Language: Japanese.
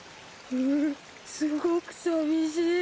ううすごく寂しい！